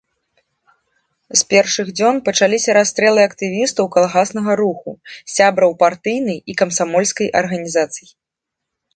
З першых дзён пачаліся расстрэлы актывістаў калгаснага руху, сябраў партыйнай і камсамольскай арганізацыі.